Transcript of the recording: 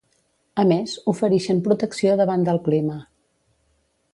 A més, oferixen protecció davant del clima.